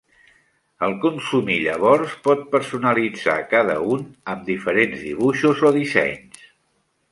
El consumir llavors pot personalitzar cada un amb diferents dibuixos o dissenys.